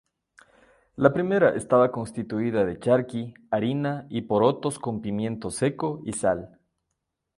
La primera estaba constituida de charqui, harina y porotos con pimiento seco y sal.